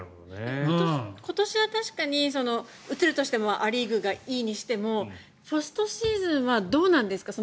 今年は確かに移るとしてもア・リーグがいいにしてもポストシーズンはどうなんですか？